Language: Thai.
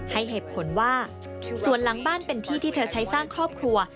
ให้เหตุผลว่าส่วนหลังบ้านเป็นที่ที่เธอใช้สร้างครอบครัว